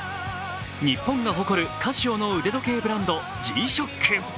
日本が誇るＣＡＳＩＯの腕時計ブランドＧ−ＳＨＯＣＫ。